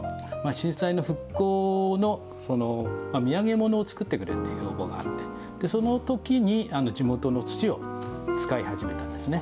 震災の復興の土産物を作ってくれという要望があって、そのときに地元の土を使い始めたんですね。